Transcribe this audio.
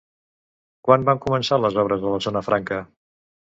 Quan van començar les obres a la Zona Franca?